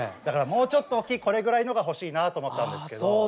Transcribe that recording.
だからもうちょっと大きいこれぐらいのが欲しいなと思ったんですけど。